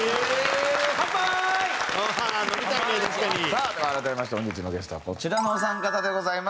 さあでは改めまして本日のゲストはこちらのお三方でございます。